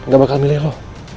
gak bakal milih lo